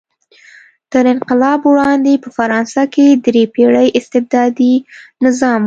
تر انقلاب وړاندې په فرانسه کې درې پېړۍ استبدادي نظام و.